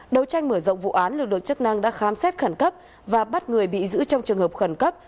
đầu tranh mở rộng vụ án lực lượng chức năng đã khám xét khẩn cấp và bắt người bị giữ trong trường hợp khẩn cấp